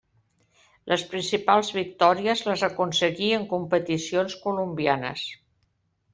Les principals victòries les aconseguí en competicions colombianes.